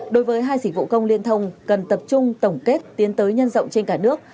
đối với hai dịch vụ công liên thông cần tập trung tổng kết tiến tới nhân rộng trên cả nước